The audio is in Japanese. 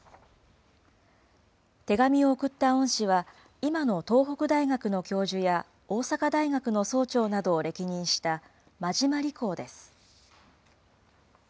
手紙を送った恩師は、今の東北大学の教授や大阪大学の総長などを歴任した真島利行です。